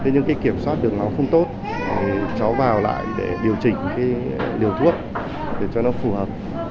nhưng kiểm soát được nó không tốt cháu vào lại để điều chỉnh điều thuốc để cho nó phù hợp